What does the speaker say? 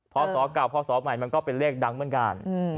ศเก่าพศใหม่มันก็เป็นเลขดังเหมือนกัน